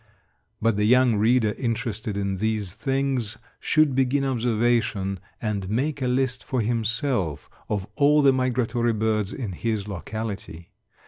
But the young reader interested in these things should begin observation, and make a list for himself of all the migratory birds in his locality.